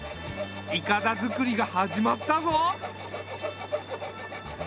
いかだ作りが始まったぞ。